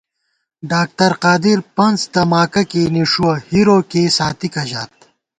ڈاکتر قادر پنڅ دماکہ کېئی نِݭُوَہ ، ہِرو کېئ ساتِکہ ژات